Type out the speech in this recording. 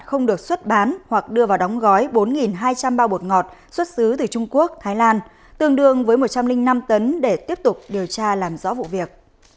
không được xuất bán hoặc đưa vào đóng gói bốn hai trăm linh bao bột ngọt xuất xứ từ trung quốc thái lan tương đương với một trăm linh năm tấn để tiếp tục điều tra làm rõ vụ việc